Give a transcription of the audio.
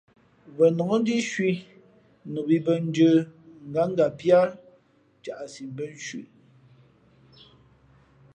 Wenǒk ndíꞌcwī nu mǐ bᾱ njə̄, ngǎnga píá caꞌsi bᾱ ncwíʼ.